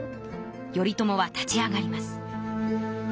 頼朝は立ち上がります。